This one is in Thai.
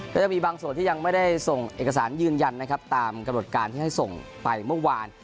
และจะมีบางส่วนที่ยังไม่ได้ส่งเอกสารยืนยันนะครับตามกำหนดการที่ให้ส่งไปเมื่อวาน